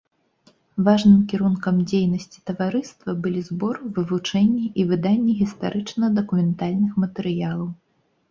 Важным кірункам дзейнасці таварыства былі збор, вывучэнне і выданне гістарычна-дакументальных матэрыялаў.